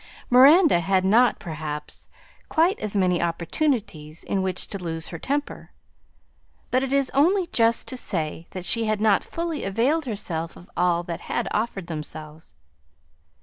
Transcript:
Miranda had not had, perhaps, quite as many opportunities in which to lose her temper, but it is only just to say that she had not fully availed herself of all that had offered themselves.